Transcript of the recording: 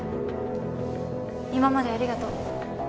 今までありがとう。